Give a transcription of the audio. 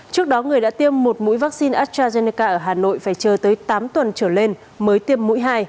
trước đó người đã tiêm một mũi vaccine astrazeneca ở hà nội phải chờ tới tám tuần trở lên mới tiêm mũi hai